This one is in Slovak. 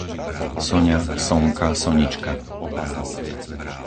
Soňa, Sonka, Sonička